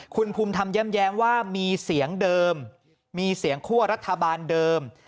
คุณภูมิธรรมแย้มว่ามีเสียงเดิมมีเสียงคั่วรัฐบาลเดิม